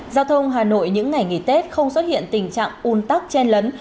giao thông hà nội những ngày nghỉ tết không xuất hiện tình trạng un tắc chen lấn